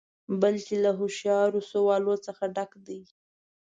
بلکې له هوښیارو سوالونو څخه ډک دی.